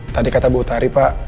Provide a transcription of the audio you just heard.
tadi kata bu tari pak